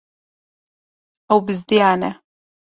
Ew bizdiyane.